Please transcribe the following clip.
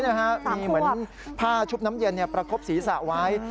มีเหมือนผ้าชุบน้ำเย็นประคบศีรษะไว้